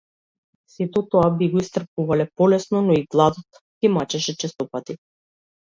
Сето тоа би го истрпувале полесно, но и гладот ги мачеше честопати.